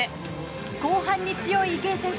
後半に強い池江選手